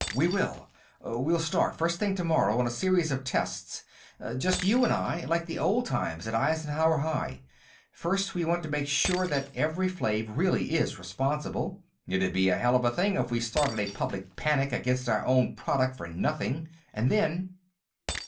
"We will. We'll start, first thing tomorrow, on a series of tests just you and I, like the old times at Eisenhower High. First, we want to be sure that Evri Flave really is responsible. It'd be a hell of a thing if we started a public panic against our own product for nothing. And then...."